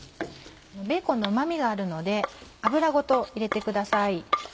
ベーコンのうま味があるので脂ごと入れてください。